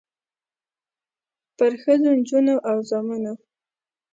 پرښخو، نجونو او زامنو